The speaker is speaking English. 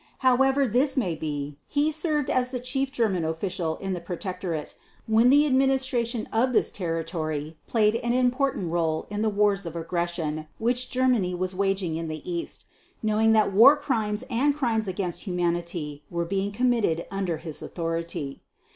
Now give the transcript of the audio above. However this may be, he served as the chief German official in the Protectorate when the administration of this territory played an important role in the wars of aggression which Germany was waging in the East, knowing that War Crimes and Crimes against Humanity were being committed under his authority.